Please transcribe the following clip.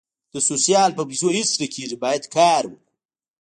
د سوسیال په پېسو هیڅ نه کېږي باید کار وکړو